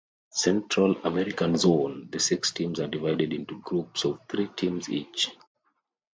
Central American Zone: The six teams are divided into groups of three teams each.